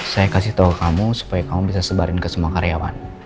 saya kasih tahu kamu supaya kamu bisa sebarin ke semua karyawan